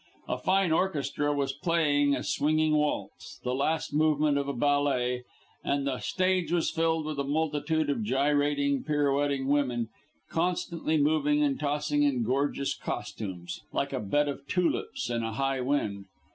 A fine orchestra was playing a swinging waltz, the last movement of a ballet, and the stage was filled with a multitude of gyrating, pirouetting women, constantly moving and tossing in gorgeous costumes, like a bed of tulips in a high wind.